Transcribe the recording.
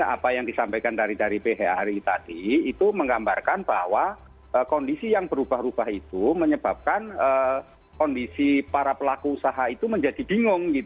apa yang disampaikan dari phri tadi itu menggambarkan bahwa kondisi yang berubah ubah itu menyebabkan kondisi para pelaku usaha itu menjadi bingung